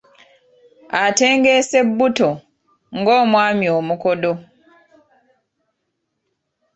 Atengeesa ebbuto, ng’omwami omukodo.